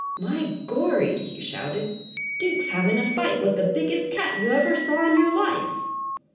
"My gorry!" he shouted. "Duke's havin' a fight with the biggest cat you ever saw in your life!